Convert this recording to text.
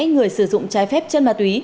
người sử dụng trái phép chân ma túy